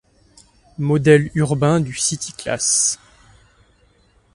Modèle urbain du CityClass.